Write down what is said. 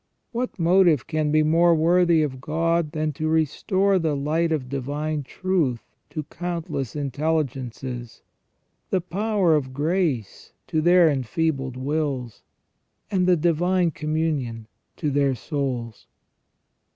What motive can be more worthy of God than to restore the light of divine truth to countless intelligences, the power of grace to their enfeebled wills, and the divine commu nion to their souls